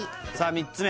３つ目